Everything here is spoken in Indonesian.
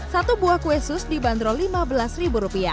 satu buah kue sus dibanderol lima belas rupiah